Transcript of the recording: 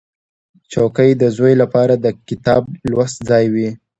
چوکۍ د زوی لپاره د کتاب لوست ځای وي.